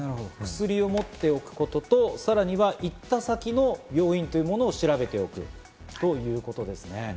薬を持っておくこと、さらに行った先の病院を調べておくということですね。